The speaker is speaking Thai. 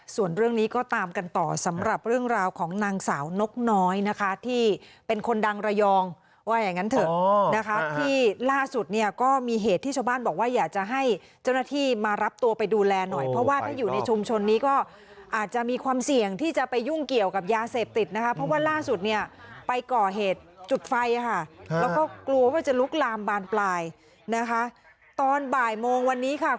ส่วนเรื่องนี้ก็ตามกันต่อสำหรับเรื่องราวของนางสาวนกน้อยนะคะที่เป็นคนดังระยองว่าอย่างนั้นเถอะนะคะที่ล่าสุดเนี่ยก็มีเหตุที่ชาวบ้านบอกว่าอยากจะให้เจ้าหน้าที่มารับตัวไปดูแลหน่อยเพราะว่าถ้าอยู่ในชุมชนนี้ก็อาจจะมีความเสี่ยงที่จะไปยุ่งเกี่ยวกับยาเสพติดนะคะเพราะว่าล่าสุดเนี่ยไปก่อเหตุจุดไฟค่ะแล้วก็กลัวว่าจะลุกลามบานปลายนะคะตอนบ่ายโมงวันนี้ค่ะ